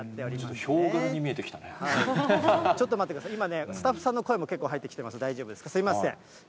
ちょっとヒョウ柄に見えてきちょっと待ってください、今ね、スタッフさんの声も結構入ってきてます、大丈夫ですか、すみません。